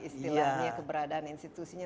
istilahnya keberadaan institusinya